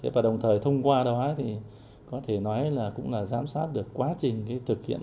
và đồng thời thông qua đó thì có thể nói là cũng là giám sát được quá trình thực hiện